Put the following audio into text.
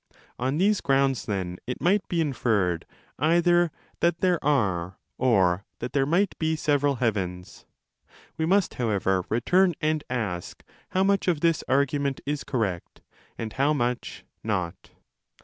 On these grounds, then, it might be inferred either that there are or that there might be several heavens. We must, however, return and ask how much of this argu ment is correct and how much not.